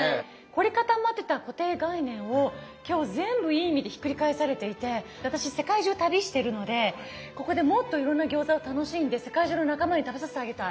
凝り固まってた固定概念を今日全部いい意味でひっくり返されていて私世界中旅してるのでここでもっといろんな餃子を楽しんで世界中の仲間に食べさせてあげたい。